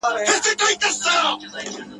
هر یوه ته نیمايی برخه رسیږي ..